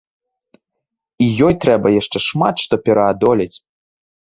І ёй трэба яшчэ шмат што пераадолець.